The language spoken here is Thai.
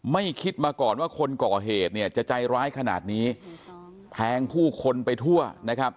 ไม่คิดมาก่อนว่าคนก่อเหตุเนี่ยจะใจร้ายขนาดนี้แทงผู้คนไปทั่วนะครับ